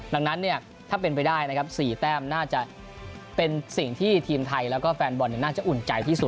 ดังนั้นเนี่ยถ้าเป็นไปได้นะครับ๔แต้มน่าจะเป็นสิ่งที่ทีมไทยแล้วก็แฟนบอลน่าจะอุ่นใจที่สุด